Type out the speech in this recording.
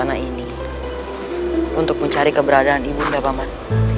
di istana ini untuk mencari keberadaan ibu nda paman